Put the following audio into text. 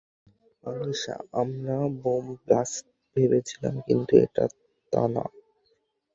আনিশা, আমরা বোমব্লাস্ট ভেবেছিলাম কিন্তু এটা তা নয়।